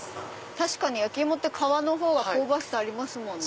確かに焼き芋って皮のほうが香ばしさありますもんね。